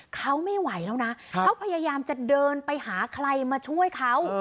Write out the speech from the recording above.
เขาไม่ไหวแล้วนะเขาพยายามจะเดินไปหาใครมาช่วยเขา